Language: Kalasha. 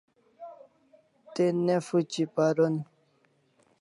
Te ne phuchi paron